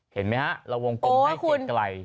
เห็นไหมัเราวงกลมได้เกร็ดไกล